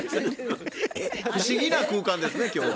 不思議な空間ですね今日は。